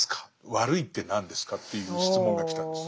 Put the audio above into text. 悪いって何ですか？」という質問が来たんです。